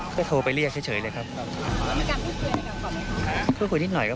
ก็โทรไปเรียกเฉยเฉยเลยครับมีการพูดคุยอะไรก่อนไหมครับ